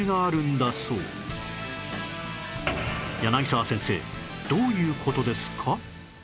柳沢先生どういう事ですか？